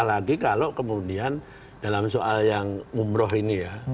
apalagi kalau kemudian dalam soal yang umroh ini ya